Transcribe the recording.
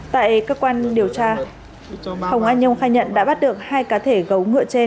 tại cơ quan điều tra hồng an nhung khai nhận đã bắt được hai cá thể gấu ngựa trên